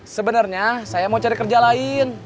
sebenarnya saya mau cari kerja lain